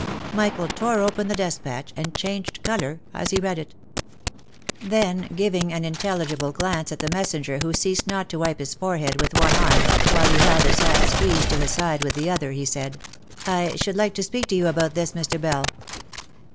Michael tore open the despatch, and changed colour as he read it. Then, giving an intelligible glance at the messenger who ceased not to wipe his fore head with one arm, while he held his hat squeezed to his side with the other, he said, " I should like to speak to you about this, Mr. Bell."